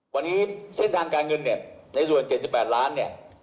วันนี้เส้นทางการเงินในส่วน๗๘ล้าน